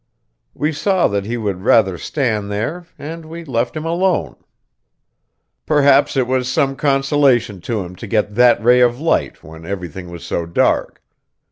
We saw that he would rather stand there, and we left him alone. Perhaps it was some consolation to him to get that ray of light when everything was so dark.